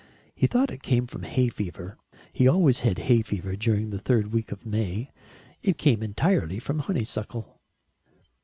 He thought it came from hay fever he always had hay fever during the third week of May. It came entirely from honeysuckle.